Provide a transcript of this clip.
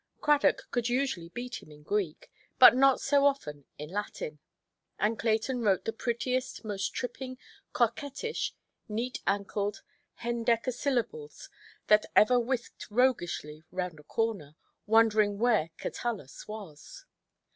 Cradock could usually beat him in Greek, but not so often in Latin. And Clayton wrote the prettiest, most tripping, coquettish, neat–ankled hendecasyllables that ever whisked roguishly round a corner, wondering where Catullus was.